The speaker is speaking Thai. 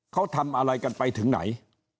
เขาทำอะไรกันไปถึงไหน